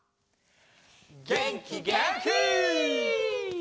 げんきげんき！